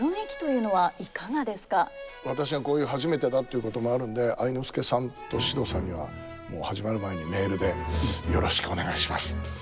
私がこういう初めてだっていうこともあるんで愛之助さんと獅童さんにはもう始まる前にメールで「よろしくお願いします。